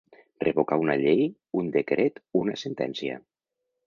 Revocar una llei, un decret, una sentència.